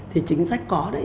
thì chính sách có đấy